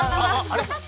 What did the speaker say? あれ？